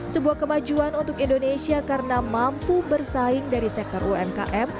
sebuah kemajuan untuk indonesia karena mampu bersaing dari sektor umkm